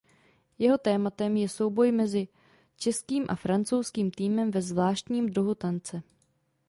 Jeho tématem je souboj mezi českým a francouzským týmem ve zvláštním druhu tance.